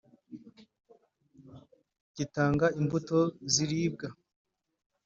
gitanga imbuto ziribwa